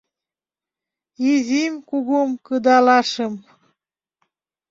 Изим, кугум, кыдалашым...